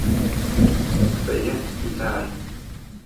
بە یەک قیتار،